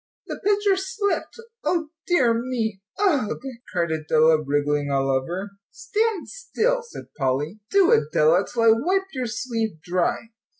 "The pitcher slipped O dear me ugh " cried Adela, wriggling all over. "Stand still," said Polly, "do, Adela, till I wipe your sleeve dry."